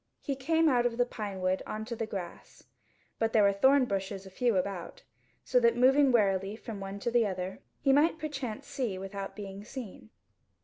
He came out of the pinewood on to the grass; but there were thornbushes a few about, so that moving warily from one to the other, he might perchance see without being seen.